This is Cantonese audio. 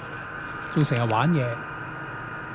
仲成日玩嘢